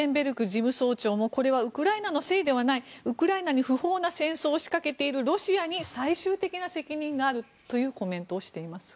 事務総長もこれはウクライナのせいではないウクライナに不法な戦争を仕掛けているロシアに最終的な責任があるというコメントをしています。